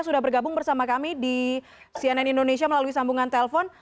sudah bergabung bersama kami di cnn indonesia melalui sambungan telpon